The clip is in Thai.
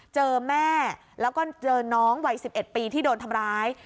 เจอแม่แล้วก็เจอน้องวัย๑๑ปีที่โดนทำร้าย